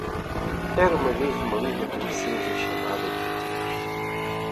Era uma vez uma linda princesa, chamada Beatriz.